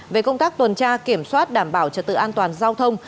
về công tác tuần tra kiểm soát đảm bảo trật tự an toàn giao thông